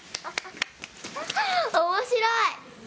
おもしろい。